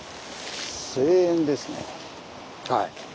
はい。